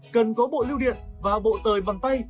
cần có bộ lưu điện và bộ tời bằng tay